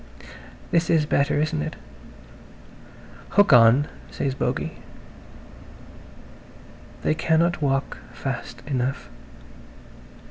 "This is better, isn't it?" "Hook on," says Bogey. They cannot walk fast enough.